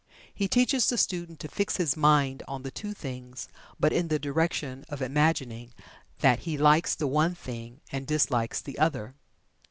He teaches the student to fix his mind on the two things, but in the direction of imagining that he likes the one thing and dislikes the other.